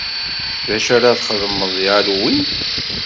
D acu ara txedmeḍ deg Halloween?